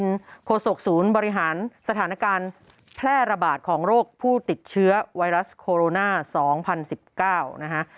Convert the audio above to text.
นุโยธินโฆษกศูนย์บริหารสถานการณ์แพร่ระบาดของโรคผู้ติดเชื้อไวรัสโคโรน่าสองพันสิบเก้านะฮะ